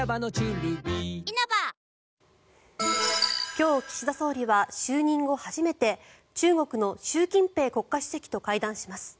今日、岸田総理は就任後初めて中国の習近平国家主席と会談します。